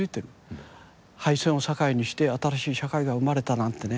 敗戦を境にして新しい社会が生まれたなんてね